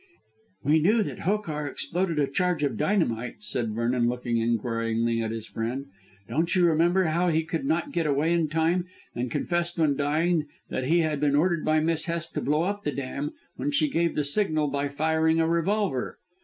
"We knew that Hokar exploded a charge of dynamite," said Vernon looking inquiringly at his friend. "Don't you remember how he could not get away in time, and confessed when dying that he had been ordered by Miss Hest to blow up the dam when she gave the signal by firing a revolver."